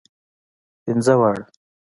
پنځه واړه.